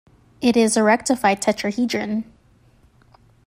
It is a rectified tetrahedron.